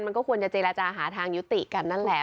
มันก็ควรจะเจรจาหาทางยุติกันนั่นแหละ